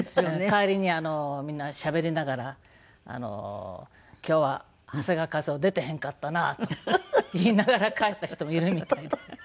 帰りにみんなしゃべりながら「今日は長谷川一夫出てへんかったな」と言いながら帰った人もいるみたいで。